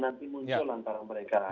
nanti muncul antara mereka